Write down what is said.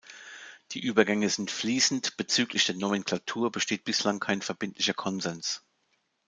Die Übergänge sind fließend, bezüglich der Nomenklatur besteht bislang kein verbindlicher Konsens.